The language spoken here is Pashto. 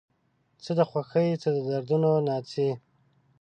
څه د خوښۍ څه د دردونو ناڅي